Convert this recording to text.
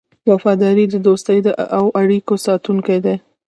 وفاداري د دوستۍ او اړیکو ساتونکی دی.